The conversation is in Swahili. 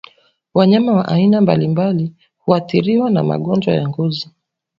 Wanyama wa aina mbalimbali huathiriwa na magonjwa ya ngozi